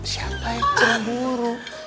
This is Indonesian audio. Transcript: siapa yang cemburu